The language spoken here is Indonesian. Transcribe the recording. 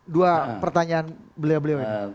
dua pertanyaan beliau beliau ini